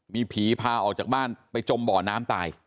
มีผีพาออกจากบ้านไปจมบ่อน้ำตาย